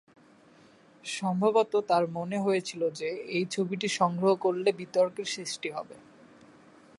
সম্ভবত, তাঁর মনে হয়েছিল যে, এই ছবিটি সংগ্রহ করলে বিতর্কের সৃষ্টি হতে পারে।